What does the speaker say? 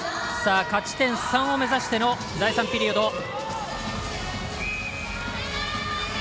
勝ち点３を目指しての第３ピリオド。